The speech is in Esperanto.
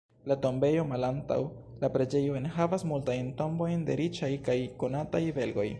La tombejo malantaŭ la preĝejo enhavas multajn tombojn de riĉaj kaj konataj belgoj.